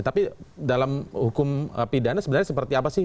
tapi dalam hukum pidana sebenarnya seperti apa sih